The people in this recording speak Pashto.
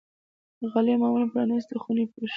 غالۍ معمولا پرانيستې خونې پوښي.